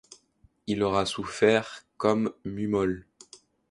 Il aura souffert comme Mummol.